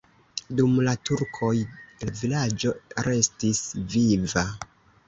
Dum la turkoj la vilaĝo restis viva.